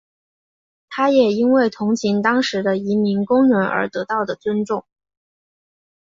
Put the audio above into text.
他也因为同情当时的移民工人而得到的尊敬。